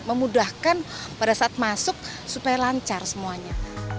memudahkan pada saat masuk supaya lancar semuanya